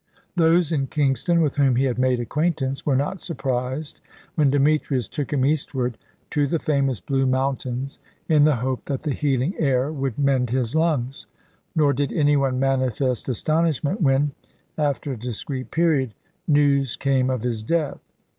Those in Kingston with whom he had made acquaintance were not surprised when Demetrius took him eastward to the famous Blue Mountains, in the hope that the healing air would mend his lungs; nor did any one manifest astonishment when, after a discreet period, news came of his death.